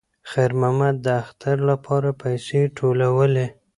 خیر محمد د اختر لپاره پیسې ټولولې.